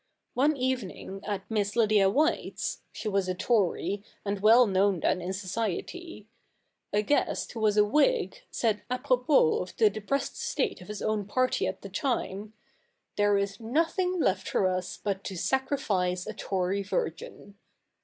One evening at Miss Lydia White's — she was a Tory, and well known then in society — a guest who was a Whig, said a pi'opos of the depressed state of his own party at the time, " There is nothing left for us but to sacrifice a Tory virgin."